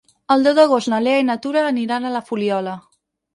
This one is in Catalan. El deu d'agost na Lea i na Tura aniran a la Fuliola.